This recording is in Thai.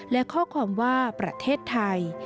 และข้อความว่าประเทศไทย